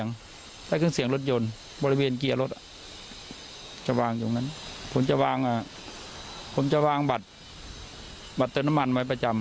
ในทางอะผมจะวางบัตรเตอร์นมันไว้ประจำ